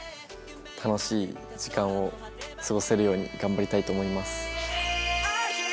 楽しい時間を過ごせるように頑張りたいと思います。